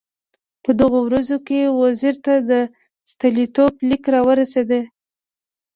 په دغو ورځو کې وزیر ته د ستولیتوف لیک راورسېد.